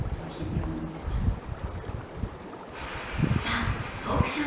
［さあトークショーです］